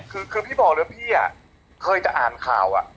คือคือพี่บอกเลยว่าพี่อ่ะเคยจะอ่านข่าวอ่ะ